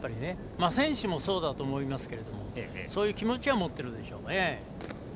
選手もそうだと思いますけどそういう気持ちは持っているでしょうね。